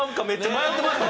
迷ってました。